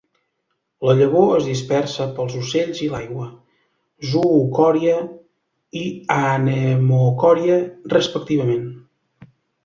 La llavor es dispersa pels ocells i l'aigua, zoocòria i anemocòria respectivament.